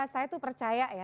saya itu percaya ya